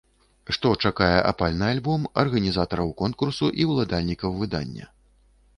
Што чакае апальны альбом, арганізатараў конкурсу і ўладальнікаў выдання.